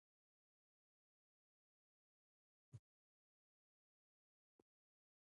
په هغوی مو خپل دوه موټرونه ډک کړل.